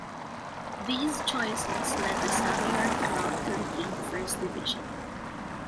These choices led the Savoyard club to regain the first division.